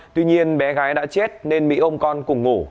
tuy nhiên bé gái đã chết nên mỹ ông con cùng ngủ